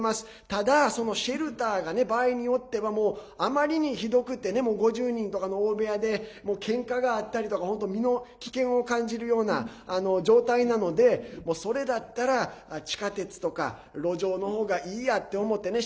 ただ、そのシェルターが場合によってはもう、あまりにひどくて５０人とかの大部屋でけんかがあったりとか本当、身の危険を感じるような状態なのでそれだったら地下鉄とか路上のほうがいいやって思ってね